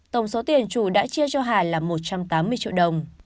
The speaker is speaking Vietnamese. tổng số tiền chủ đã chia cho hà là một trăm tám mươi triệu đồng